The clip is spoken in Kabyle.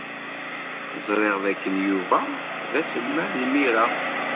Ẓriɣ dakken Yuba d aselmad imir-a.